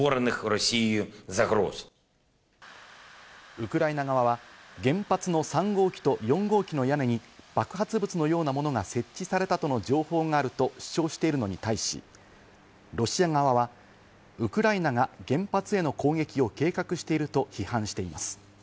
ウクライナ側は原発の３号機と４号機の屋根に爆発物のようなものが設置されたとの情報があると主張しているのに対し、ロシア側はウクライナが原発への攻撃を計画していると批判しています。